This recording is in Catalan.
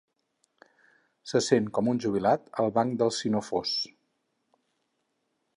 Se sent com un jubilat al banc del sinofós.